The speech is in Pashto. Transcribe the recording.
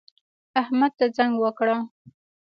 احمد ته زنګ وکړه